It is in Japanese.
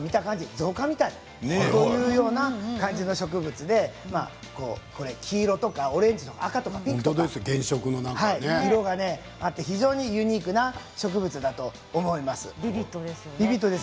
造花みたいというような感じの植物で黄色、オレンジ、赤とか色があって非常にユニークな植物だと思います。